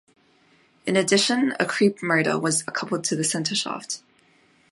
In addition a "creep" motor was coupled to the centre shaft.